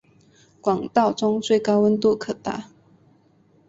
管道中最高温度可达。